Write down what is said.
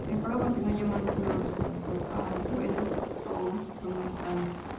El pueblo continúa llamándose Los Jagüeles, aun por muchos años.